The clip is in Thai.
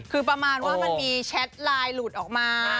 คือประมาณว่ามันมีแชทไลน์หลุดออกมา